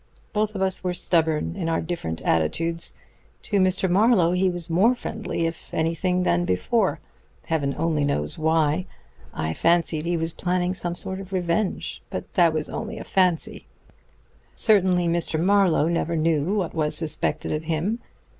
Both of us were stubborn in our different attitudes. To Mr. Marlowe he was more friendly, if anything, than before heaven only knows why. I fancied he was planning some sort of revenge; but that was only a fancy. Certainly Mr. Marlowe never knew what was suspected of him.